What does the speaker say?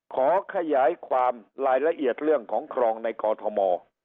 ขอขยายความรายละเอียดเรื่องของครองในกอทม